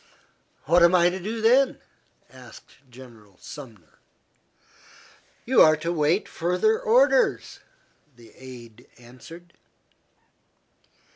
"What am I to do then?" asked General Sumner. "You are to await further orders," the aide answered.